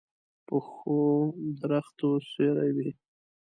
پخو درختو سیوری وي